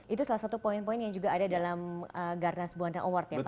itu salah satu poin poin yang juga ada dalam garnas buanda award ya pak ya